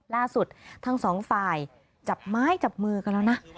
ล่าสุดทั้งสองฝ่ายจับไม้จับมือกันแล้วนะ